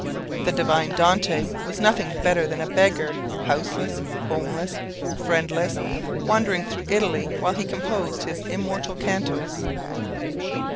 The divine Dante was nothing better than a beggar, houseless, homeless, friendless, wandering through Italy while he composed his immortal cantos.